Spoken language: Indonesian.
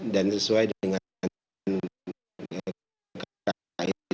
dan sesuai dengan keinginan kita